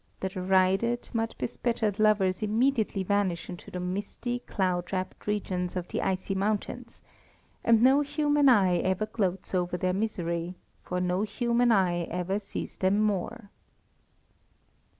The derided, mud bespattered lovers immediately vanish into the misty, cloud wrapped regions of the icy mountains, and no human eye ever gloats over their misery, for no human eye ever sees them more.